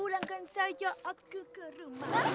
pulangkan saja aku ke rumah